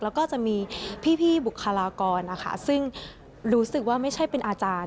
แล้วก็จะมีพี่บุคลากรนะคะซึ่งรู้สึกว่าไม่ใช่เป็นอาจารย์